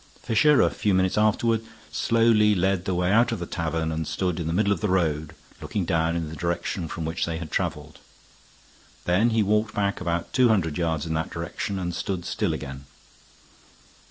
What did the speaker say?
Fisher, a few minutes afterward, slowly led the way out of the tavern and stood in the middle of the road, looking down in the direction from which they had traveled. Then he walked back about two hundred yards in that direction and stood still again.